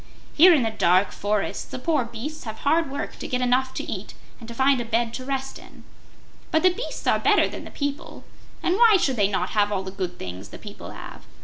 Here in the dark forests the poor beasts have hard work to get enough to eat and to find a bed to rest in. But the beasts are better than the people, and why should they not have all the good things the people have?